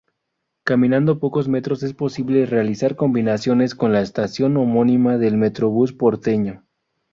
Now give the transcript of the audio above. Caminando pocos metros es posible realizar combinaciones con la estación homónima del Metrobús porteño.